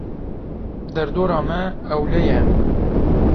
Derdora me ewle ye.